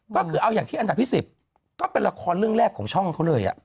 ก็คือเอาอย่างที่อันดับที่๑๐ก็เป็นละครเรื่องแรกของช่องเขาเลย